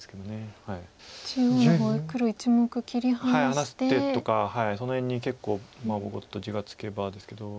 離してとかその辺に結構ボコッと地がつけばですけど。